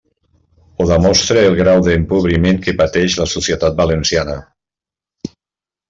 Ho demostra el grau d'empobriment que pateix la societat valenciana.